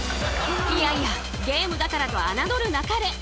いやいやゲームだからと侮るなかれ。